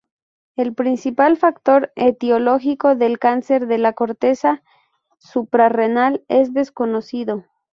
El principal factor etiológico del cáncer de la corteza suprarrenal es desconocido.